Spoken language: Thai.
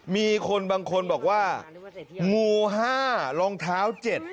มีคนบางคนบอกว่างู๕รองเท้า๗